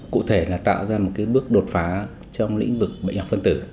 cụ thể là tạo ra một bước đột phá trong lĩnh vực bệnh học phân tử